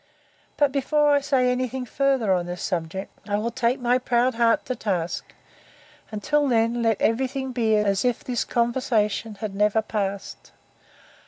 —But before I say any thing farther on this subject, I will take my proud heart to task; and, till then, let every thing be as if this conversation had never passed.